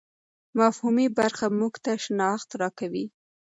مفهومي برخه موږ ته شناخت راکوي.